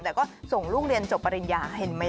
แต่ก็ส่งลูกเรียนจบปริญญาเห็นไหม